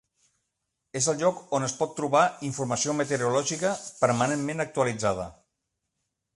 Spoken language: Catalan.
És el lloc on es pot trobar informació meteorològica, permanentment actualitzada.